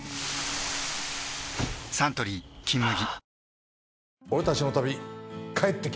サントリー「金麦」